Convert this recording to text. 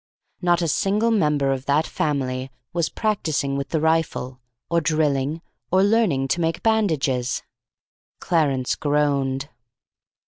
Not a single member of that family was practising with the rifle, or drilling, or learning to make bandages. Clarence groaned.